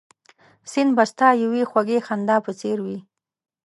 سیند به ستا یوې خوږې خندا په څېر وي